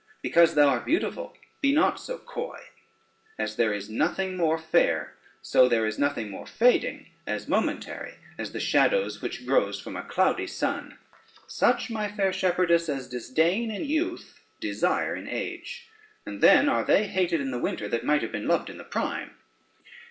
Because thou art beautiful be not so coy: as there is nothing more fair, so there is nothing more fading; as momentary as the shadows which grows from a cloudy sun. Such, my fair shepherdess, as disdain in youth desire in age, and then are they hated in the winter, that might have been loved in the prime.